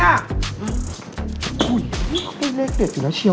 โหยยยยฮู้ยยยน้องให้เล็กเจ็ดถึงแล้วเชียว